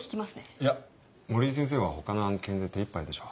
いや森井先生は他の案件で手いっぱいでしょ。